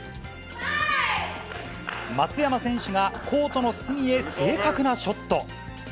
松山選手がコートの隅へ正確なショット。